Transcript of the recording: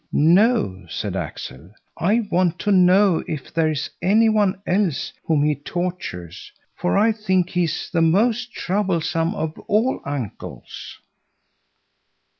"No!" said Axel; "I want to know if there is any one else whom he tortures, for I think he is the most troublesome of all uncles."